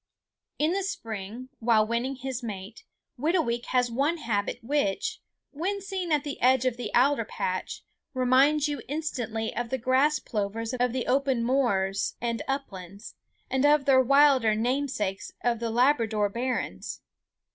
In the spring, while winning his mate, Whitooweek has one habit which, when seen at the edge of the alder patch, reminds you instantly of the grass plovers of the open moors and uplands, and of their wilder namesakes of the Labrador barrens.